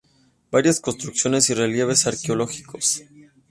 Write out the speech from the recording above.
Varias construcciones y relieves arqueológicos.